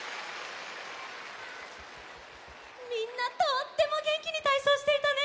みんなとってもげんきにたいそうしていたね。